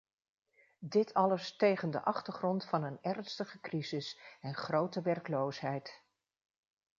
Dit alles tegen de achtergrond van een ernstige crisis en grote werkloosheid.